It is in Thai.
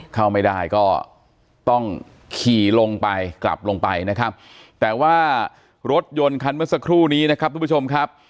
เข้าไม่ได้ก็ต้องขี่ลงไปกลับลงไปนะครับแต่ว่ารถยนต์คันเมื่อสักครู่นี้นะครับทุกผู้ชมครับ